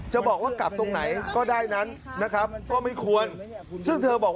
จะบอกว่ากลับตรงไหนก็ได้ก็ไม่ใช่ควรซึ่งเธอบอกว่า